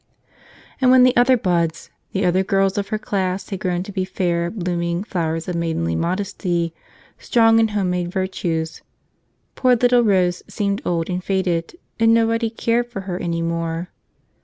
And when the other buds, the other girls of her class, had grown to be fair, blooming flowers of maidenly modesty, strong in home made virtue, poor little Rose seemed old and faded and nobody cared for her any more.